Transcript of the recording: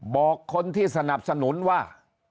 บอกคนที่สนับสนุนว่า